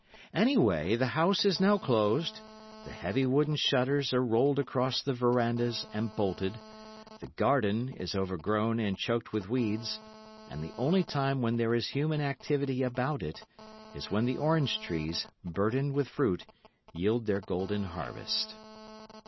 Anyway, the house is now closed, the heavy wooden shutters are rolled across the verandahs and bolted, the garden is overgrown and choked with weeds, and the only time when there is human activity about it, is when the orange trees, burdened with fruit, yield their golden harvest.